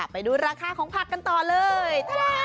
ไปดูราคาของผักกันต่อเลย